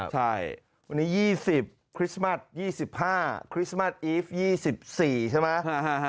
ใช่วันนี้๒๐คริสต์มัส๒๕คริสต์มัสอีฟ๒๔ใช่ไหม